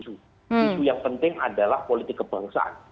isu yang penting adalah politik kebangsaan